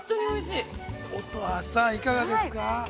◆乙葉さん、いかがですか。